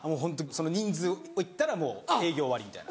人数いったらもう営業終わりみたいな。